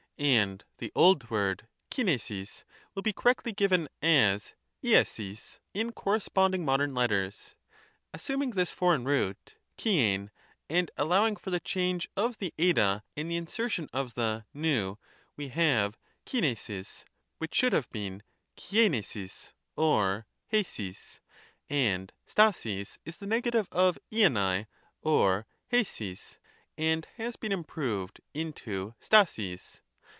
And the old word Kivrjaig will be correctly given as haig in correspondmg modern letters. Assuming this foreign root Kieiv, and allow ing for the change of the rj and the insertion of the v, we have Kiv7]aig, which should have been Kieivrjaig or elaig ; and a aaiq is the negative of Uvai (or elaig), and has been improved into ordoir.